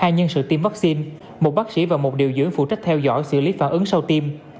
hai nhân sự tiêm vaccine một bác sĩ và một điều dưỡng phụ trách theo dõi xử lý phản ứng sau tiêm